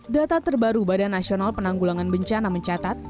data terbaru badan nasional penanggulangan bencana mencatat